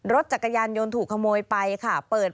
รถจักรยานยนต์ถูกขโมยไปค่ะ